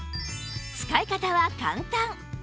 使い方は簡単！